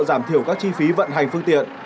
giảm thiểu các chi phí vận hành phương tiện